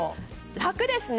楽ですね。